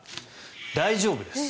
大丈夫です。